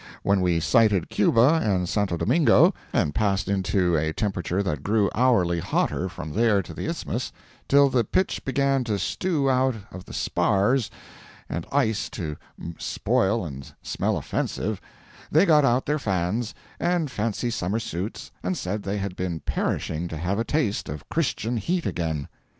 When we sighted Cuba and St. Domingo, and passed into a temperature that grew hourly hotter from there to the isthmus, till the pitch began to stew out of the spars and the ice to spoil and smell offensive, they got out their fans, and fancy summer suits and said they had been perishing to have a taste of Christian heat again.